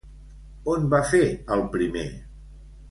On va fer el primer?